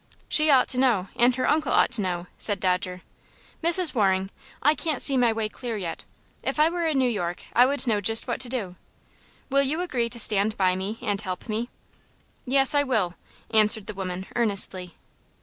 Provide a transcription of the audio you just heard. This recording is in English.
"She ought to know, and her uncle ought to know," said Dodger. "Mrs. Waring, I can't see my way clear yet. If I were in New York I would know just what to do. Will you agree to stand by me, and help me?" "Yes, I will," answered the woman, earnestly.